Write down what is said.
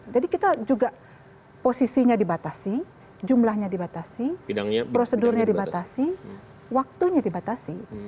jadi kita juga posisinya dibatasi jumlahnya dibatasi prosedurnya dibatasi waktunya dibatasi